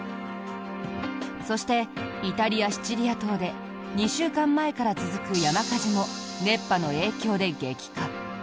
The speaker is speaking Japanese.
そして、イタリア・シチリア島で２週間前から続く山火事も熱波の影響で激化。